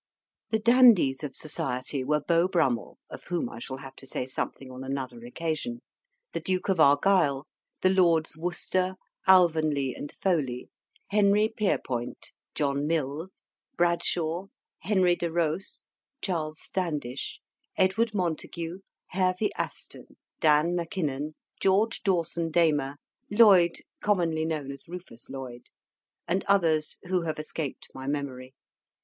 The dandies of society were Beau Brummell (of whom I shall have to say something on another occasion), the Duke of Argyle, the Lords Worcester, Alvanley, and Foley, Henry Pierrepoint, John Mills, Bradshaw, Henry de Ros, Charles Standish, Edward Montagu, Hervey Aston, Dan Mackinnon, George Dawson Damer, Lloyd (commonly known as Rufus Lloyd), and others who have escaped my memory.